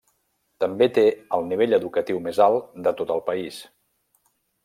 També té el nivell d'educació més alt de tot el país.